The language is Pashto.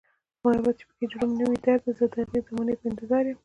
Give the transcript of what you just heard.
محبت چې پکې جرم نه وي درده، زه د هغې زمانې په انتظاریم